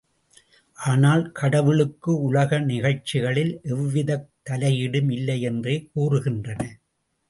ஆனால் கடவுளுக்கு உலக நிகழ்ச்சிகளில் எவ்விதத் தலையீடும் இல்லை என்றே கூறுகின்றன.